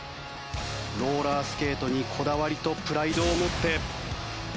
ローラースケートにこだわりとプライドを持って。